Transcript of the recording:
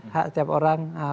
hak setiap orang